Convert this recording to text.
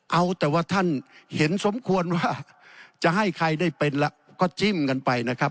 เอาแต่ว่าท่านเห็นสมควรว่าจะให้ใครได้เป็นแล้วก็จิ้มกันไปนะครับ